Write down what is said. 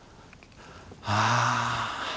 ああ。